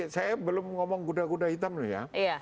saya belum ngomong kuda kuda hitam nih ya